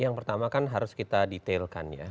yang pertama kan harus kita detailkan ya